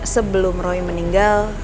sebelum roy meninggal